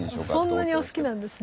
そんなにお好きなんですね？